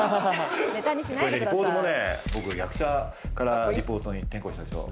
リポートもね、僕、役者からリポーターに転向したでしょ。